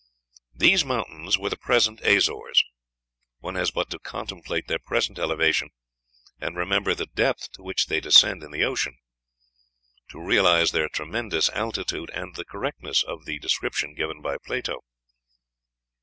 These mountains were the present Azores. One has but to contemplate their present elevation, and remember the depth to which they descend in the ocean, to realize their tremendous altitude and the correctness of the description given by Plato.